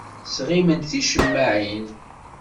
Ssiɣemt ticemmaɛin.